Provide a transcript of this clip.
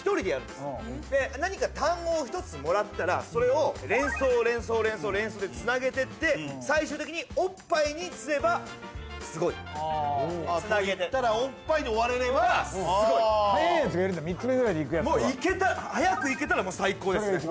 なにか単語を１つもらったらそれを連想連想連想でつなげてって最終的におっぱいにすればすごい「といったらおっぱい」で終われればああ早いやつがいるんだ３つ目ぐらいでいくやつとかもういけたら早くいけたらもう最高ですね